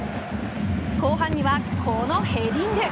後半にはこのヘディング。